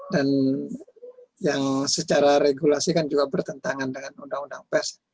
dan yang secara regulasi kan juga bertentangan dengan undang undang pers